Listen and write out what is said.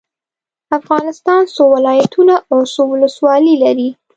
افغانستان څو ولايتونه او څو ولسوالي لري؟